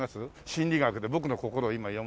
心理学で僕の心を今読んだら。